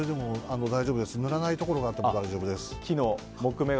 塗らないところがあっても大丈夫です。